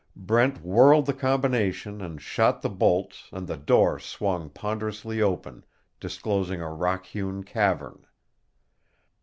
Brent whirled the combination and shot the bolts, and the door swung ponderously open, disclosing a rock hewn cavern.